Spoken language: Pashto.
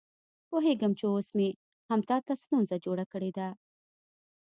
پوهېږم چې اوس مې هم تا ته ستونزه جوړه کړې.